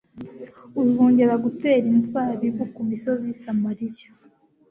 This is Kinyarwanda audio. uzongera gutera inzabibu ku misozi y'i samariya